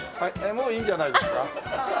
もういいんじゃないですか？